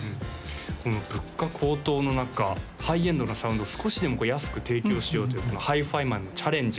この物価高騰の中ハイエンドなサウンド少しでもこう安く提供しようというこのＨＩＦＩＭＡＮのチャレンジ